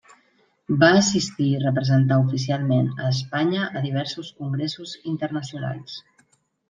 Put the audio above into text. Va assistir i representar oficialment a Espanya a diversos congressos internacionals.